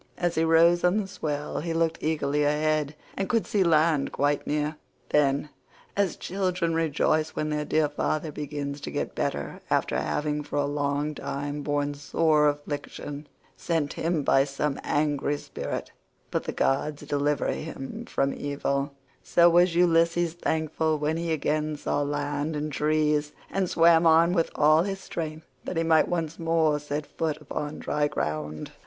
As he rose on the swell he looked eagerly ahead, and could see land quite near. Then, as children rejoice when their dear father begins to get better after having for a long time borne sore affliction sent him by some angry spirit, but the gods deliver him from evil, so was Ulysses thankful when he again saw land and trees, and swam on with all his strength that he might once more set foot upon dry ground.